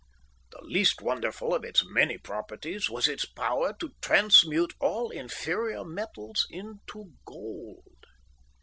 The least wonderful of its many properties was its power to transmute all inferior metals into gold.